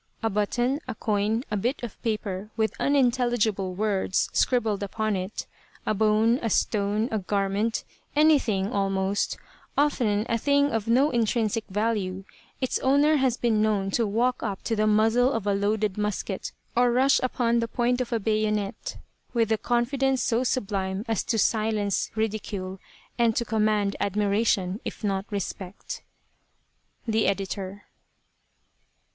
A button, a coin, a bit of paper with unintelligible words scribbled upon it, a bone, a stone, a garment, anything, almost often a thing of no intrinsic value its owner has been known to walk up to the muzzle of a loaded musket or rush upon the point of a bayonet with a confidence so sublime as to silence ridicule and to command admiration if not respect. The Editor.